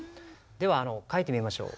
では書いてみましょう。